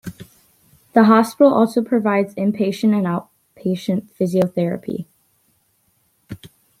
The hospital also provides inpatient and outpatient physiotherapy.